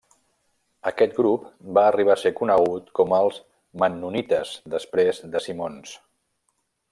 Aquest grup va arribar a ser conegut com els mennonites després de Simons.